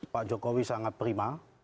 pak jokowi sangat prima